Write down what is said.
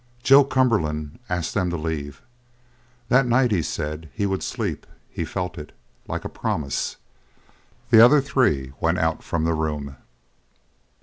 Joe Cumberland asked them to leave him. That night, he said, he would sleep. He felt it, like a promise. The other three went out from the room.